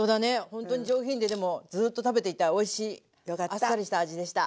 ほんとに上品ででもずっと食べていたいおいしいあっさりした味でした。